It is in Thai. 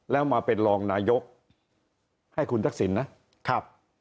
แล้วมาเป็นรองนายกให้คุณทักษิณนะครับ